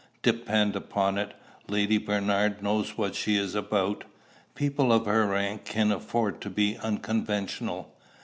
"Depend upon it, Lady Bernard knows what she is about. People of her rank can afford to be unconventional."